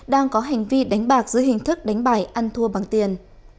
đang có hành vi đánh bạc giữa hình thức đánh bài ăn thua bằng tiền